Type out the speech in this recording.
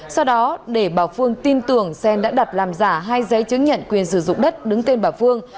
sau đó để bà phương tin tưởng xen đã đặt làm giả hai giấy chứng nhận quyền sử dụng đất đứng tên bà phương